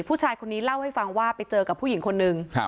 ผู้ชายคนนี้เล่าให้ฟังว่าไปเจอกับผู้หญิงคนนึง